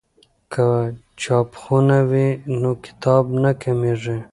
که چاپخونه وي نو کتاب نه کمېږي.